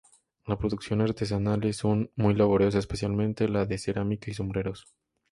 La producción artesanal es muy laboriosa, especialmente la de cerámica y sombreros.